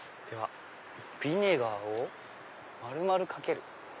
ビネガーを丸々かける。